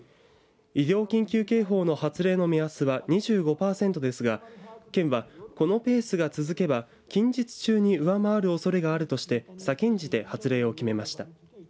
医療緊急警報の発令の目安は２５パーセントですが県は、このペースが続けば近日中に上回るおそれがあるとして先んじて発令を決めました。